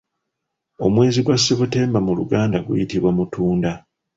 Omwezi gwa September mu luganda guyitibwa Mutunda.